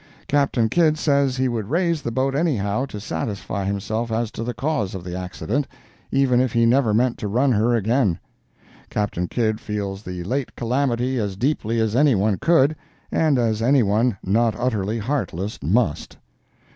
Captain Kidd says he would raise the boat, anyhow, to satisfy himself as to the cause of the accident, even if he never meant to run her again. Capt. Kidd feels the late calamity as deeply as anyone could, and as anyone not utterly heartless, must.